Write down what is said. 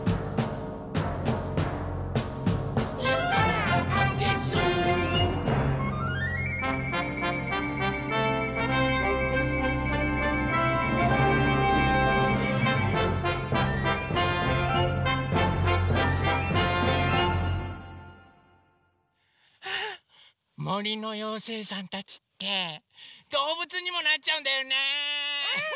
「いかがです」ああもりのようせいさんたちってどうぶつにもなっちゃうんだよね！